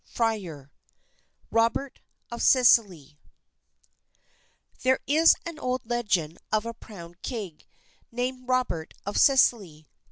XXXI ROBERT OF SICILY THERE is an old legend of a proud king, named Robert of Sicily.